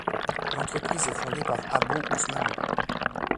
L'entreprise est fondée par Abbo Ousmanou.